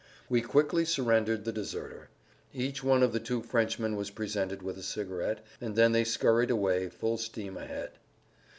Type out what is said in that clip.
We quickly surrendered the deserter; each one of the two Frenchmen was presented with a cigarette, and then they scurried away full steam ahead.